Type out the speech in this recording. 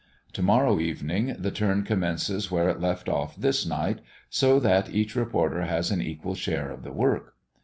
To morrow evening the turn commences where it left off this night, so that each reporter has an equal share of the work.